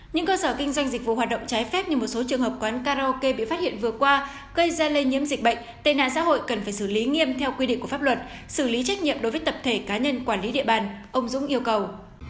những cơ sở kinh doanh dịch vụ hoạt động trái phép như một số trường hợp quán karaoke bị phát hiện vừa qua gây ra lây nhiễm dịch bệnh tệ nạn xã hội cần phải xử lý nghiêm theo quy định của pháp luật xử lý trách nhiệm đối với tập thể cá nhân quản lý địa bàn ông dũng yêu cầu